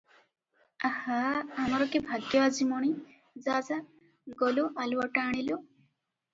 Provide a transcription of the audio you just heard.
ଆହା, ଆମର କି ଭାଗ୍ୟ ଆଜି ମଣି! ଯା, ଯା, ଗଲୁ ଆଲୁଅଟା ଆଣିଲୁ ।